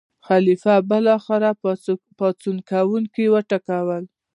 خلیفه بالاخره پاڅون کوونکي وټکول.